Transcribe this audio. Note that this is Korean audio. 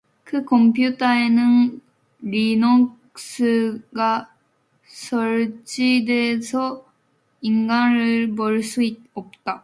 그 컴퓨터에는 리눅스가 설치돼서 인강을 볼 수 없어